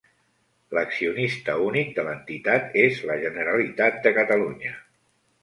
L'accionista únic de l'Entitat és la Generalitat de Catalunya.